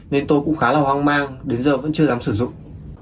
nên tôi cũng khá là hoang mang đến giờ vẫn chưa dám sử dụng